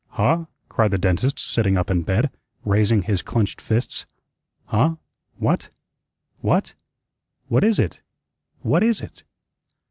"Huh?" cried the dentist, sitting up in bed, raising his clinched fists. "Huh? What? What? What is it? What is it?"